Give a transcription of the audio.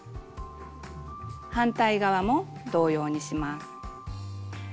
反対側も同様にします。